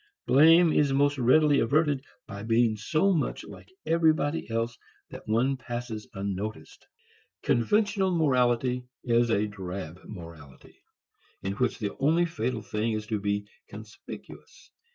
Blame is most readily averted by being so much like everybody else that one passes unnoticed. Conventional morality is a drab morality, in which the only fatal thing is to be conspicuous.